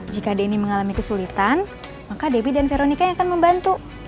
jika denny mengalami kesulitan maka debbie dan veronica yang akan membantu